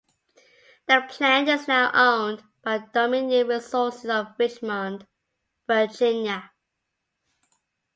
The plant is now owned by Dominion Resources of Richmond, Virginia.